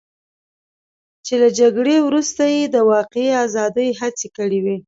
چې له جګړې وروسته یې د واقعي ازادۍ هڅې کړې وې.